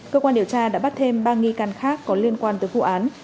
cơ quan điều tra đã bắt thêm ba nghi can khác có liên quan tới vụ án